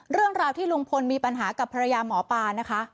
เรื่องราวที่ลุงพลมีปัญหากับภรรยาหมอปลานะคะ